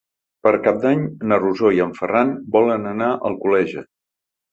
Per Cap d'Any na Rosó i en Ferran volen anar a Alcoleja.